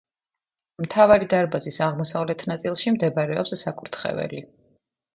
მთავარი დარბაზის აღმოსავლეთ ნაწილში მდებარეობს საკურთხეველი.